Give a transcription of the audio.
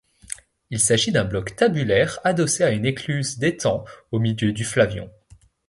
Il s'agit d'un bloc tabulaire adossé à une écluse d'étang au milieu du Flavion.